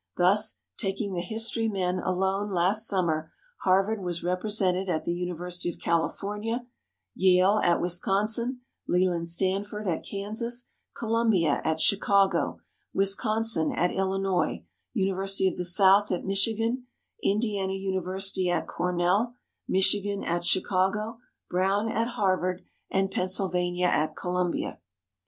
Thus, taking the history men alone last summer Harvard was represented at the University of California, Yale at Wisconsin, Leland Stanford at Kansas; Columbia at Chicago, Wisconsin at Illinois, University of the South at Michigan, Indiana University at Cornell; Michigan at Chicago; Brown at Harvard, and Pennsylvania at Columbia.